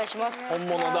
本物だ！